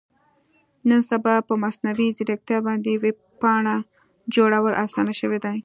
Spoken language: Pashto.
نن سبا په مصنوي ځیرکتیا باندې ویب پاڼه جوړول اسانه شوي دي.